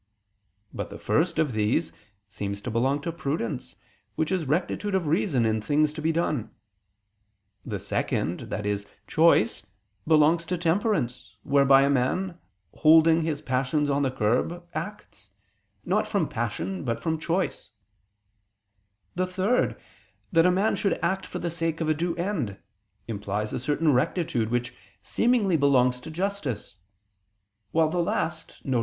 But the first of these seems to belong to prudence which is rectitude of reason in things to be done; the second, i.e. choice, belongs to temperance, whereby a man, holding his passions on the curb, acts, not from passion but from choice; the third, that a man should act for the sake of a due end, implies a certain rectitude, which seemingly belongs to justice; while the last, viz.